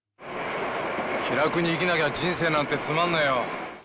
気楽に生きなきゃ人生なんてつまんねーよ。